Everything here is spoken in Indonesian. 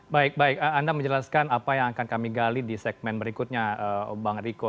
baik baik anda menjelaskan apa yang akan kami gali di segmen berikutnya bang riko